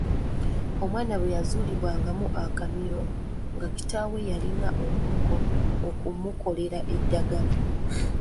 Omwana bwe yazuulibwangamu akamiro nga kitaawe yaalina okumukolera eddagala.